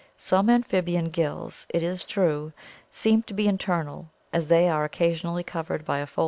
Some amphibian gills, it is true, seem to be inter nal, as they are occa sionally covered by a Flo.